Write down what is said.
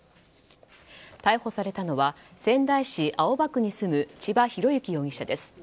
逮捕されたのは仙台市青葉区に住む千葉啓幸容疑者です。